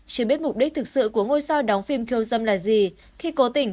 chỉ biết mục đích thực sự của ngôi sao đóng phim khiêu dâm là gì khi cố tình